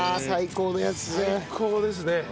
最高ですね。